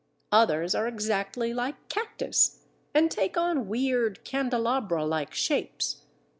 Others are exactly like Cactus, and take on weird, candelabra like shapes.